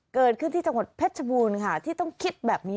เกิดขึ้นที่จังหวัดเพชรชบูรณ์ค่ะที่ต้องคิดแบบนี้